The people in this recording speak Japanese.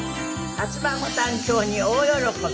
初孫誕生に大喜び。